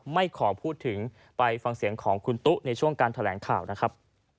ไม่ขอพูดถึงไปฟังเสียงของคุณตุ๊ในช่วงการแถลงข่าวนะครับ